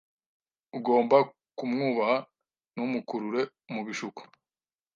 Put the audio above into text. ugomba kumwubaha ntumukurure mubishuko